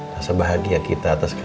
rasa bahagia kita atas keadaan